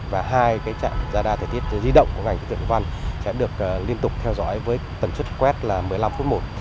và hai trạm radar thời tiết di động của ngành tượng văn sẽ được liên tục theo dõi với tần suất quét là một mươi năm phút một